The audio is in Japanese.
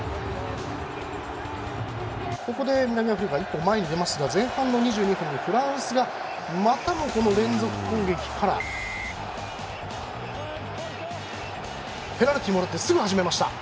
ここで南アフリカが一歩前に出ますが前半の２２分でフランスがまたも連続攻撃からペナルティーをもらってすぐ始めました。